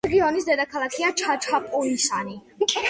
რეგიონის დედაქალაქია ჩაჩაპოიასი.